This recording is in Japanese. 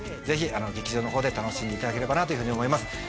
ぜひ劇場のほうで楽しんでいただければと思います